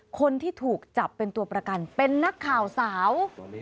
คนที่ถูกจับเป็นตัวประกันเป็นนักข่าวสาว